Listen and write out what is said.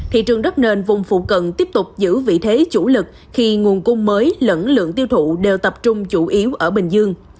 thị trường đất nền vùng phụ cận tiếp tục giữ vị thế chủ lực khi nguồn cung mới lẫn lượng tiêu thụ đều tập trung chủ yếu ở bình dương